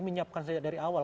menyiapkan sejak dari awal